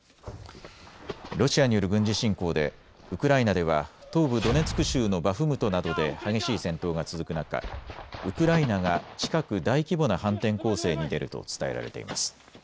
ロシアによる軍事侵攻でウクライナでは東部ドネツク州のバフムトなどで激しい戦闘が続く中、ウクライナが近く大規模な反転攻勢に出ると伝えられています。